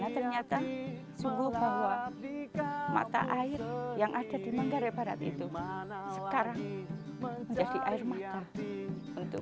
karena ternyata sungguh bahwa mata air di manggare barat itu sekarang menjadi air mata